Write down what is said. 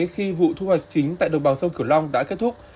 của cung vụ thu hoạch chính tại đồng bằng sông kiểu long đã kết thúc